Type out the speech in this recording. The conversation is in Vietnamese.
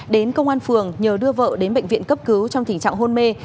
đến công an phường nhờ đưa vợ đến bệnh viện cấp cứu trong tình trạng hôn mê